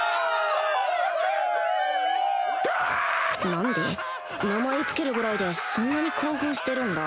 何で名前を付けるぐらいでそんなに興奮してるんだ？